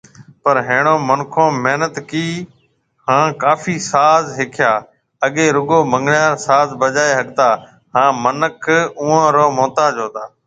پر ۿيڻون منکون محنت ڪي هان ڪافي ساز ۿيکيا، اگي رُگو منڱڻهار ساز بجائي ۿگتا هان منک اوئون را محتاج هوتا